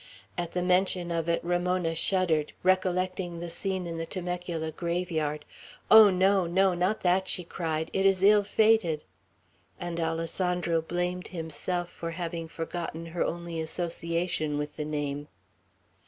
At the mention of it Ramona shuddered, recollecting the scene in the Temecula graveyard. "Oh, no, no! Not that!" she cried. "It is ill fated;" and Alessandro blamed himself for having forgotten her only association with the name.